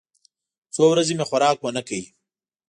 څو ورځې مې خوراک ونه کړ.